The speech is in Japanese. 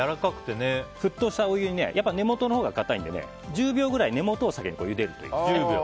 沸騰したお湯に根元のほうが硬いので１０秒ぐらい根本を先にゆでるといいです。